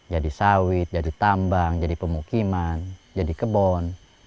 jadi sawit jadi tambang jadi pemukiman jadi kebun